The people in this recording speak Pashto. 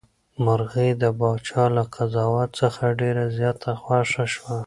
مرغۍ د پاچا له قضاوت څخه ډېره زیاته خوښه شوه.